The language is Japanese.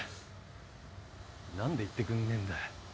何で言ってくんねえんだよ。